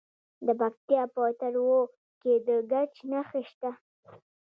د پکتیکا په تروو کې د ګچ نښې شته.